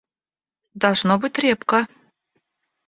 Должно быть, репка.